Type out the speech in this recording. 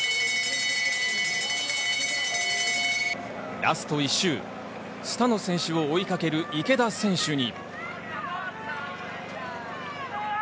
ラスト一周、スタノ選手を追いかける池田選手に。